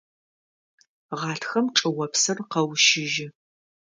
Гъатхэм чӏыопсыр къэущыжьы.